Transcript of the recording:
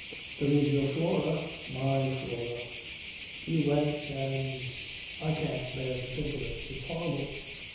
"There is your Flora." "My Flora! You went and ... I can't bear to think of it. It's horrible."